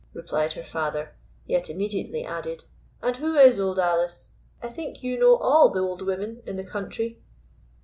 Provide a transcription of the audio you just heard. replied her father, yet immediately added: "And who is Old Alice? I think you know all the old women in the country."